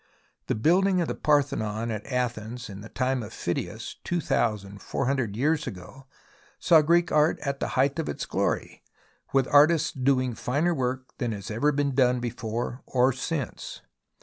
The building of the Parthenon at Athens in the time of Phidias, two thousand four hundred years ago, saw Greek art at the height of its glory, with artists doing finer work than has ever been done before or since.